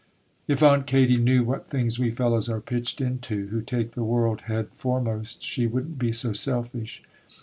'If Aunt Katy knew what things we fellows are pitched into, who take the world head foremost, she wouldn't be so selfish.